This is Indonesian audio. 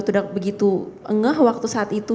tidak begitu ngeh waktu saat itu